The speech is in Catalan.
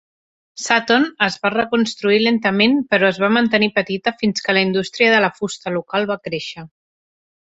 Sutton es va reconstruir lentament però es va mantenir petita fins que la indústria de la fusta local va créixer.